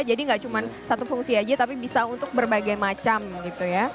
jadi gak cuma satu fungsi aja tapi bisa untuk berbagai macam gitu ya